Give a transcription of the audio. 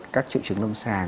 các triệu chứng lâm sàng